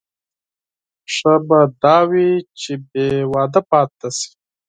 ښه به دا وي چې بې واده پاتې شي.